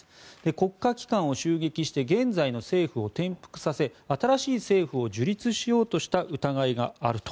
国家機関を襲撃して現在の政府を転覆させ新しい政府を樹立しようとした疑いがあると。